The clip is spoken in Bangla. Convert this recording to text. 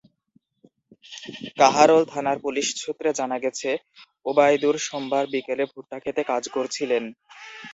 কাহারোল থানার পুলিশ সূত্রে জানা গেছে, ওবায়দুর সোমবার বিকেলে ভুট্টাখেতে কাজ করছিলেন।